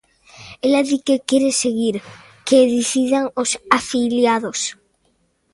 Ela di que quere seguir, que decidan os afiliados.